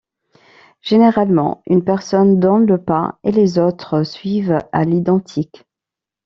Généralement, une personne donne le pas et les autres suivent à l'identique.